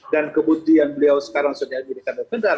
dan kebutuhan beliau sekarang sudah jadi kandung benar